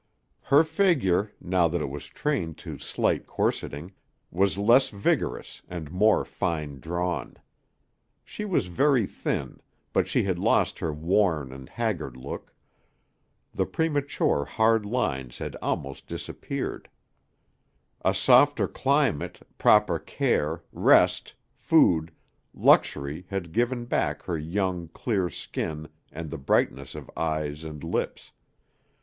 Her figure, now that it was trained to slight corseting, was less vigorous and more fine drawn. She was very thin, but she had lost her worn and haggard look; the premature hard lines had almost disappeared; a softer climate, proper care, rest, food, luxury had given back her young, clear skin and the brightness of eyes and lips.